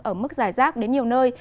ở mức dài rác đến nhiều nơi